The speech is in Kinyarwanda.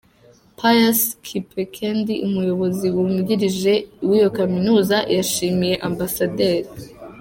Pius Kipkembi, Umuyobozi wungirije w’iyo Kaminuza, yashimiye Amb.